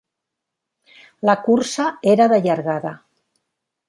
La cursa era de llargada.